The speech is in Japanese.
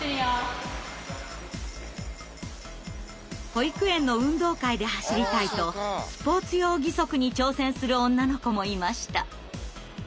保育園の運動会で走りたいとスポーツ用義足に挑戦する女の子もいました。